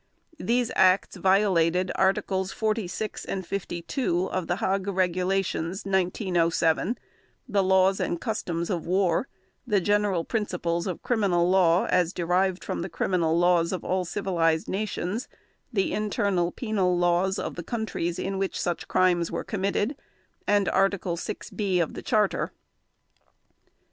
These acts violated Articles 46 and 52 of the Hague Regulations, 1907, the laws and customs of war, the general principles of criminal law as derived from the criminal laws of all civilized nations, the internal penal laws of the countries in which such crimes were committed, and Article 6 (b) of the Charter.